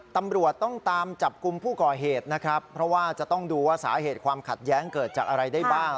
ตำรวจต้องตามจับกลุ่มผู้ก่อเหตุนะครับเพราะว่าจะต้องดูว่าสาเหตุความขัดแย้งเกิดจากอะไรได้บ้าง